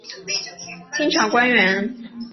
清朝官员。